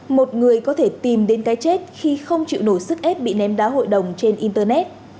một người có thể tìm đến cái chết khi không chịu nổi sức ép bị ném đá hội đồng trên internet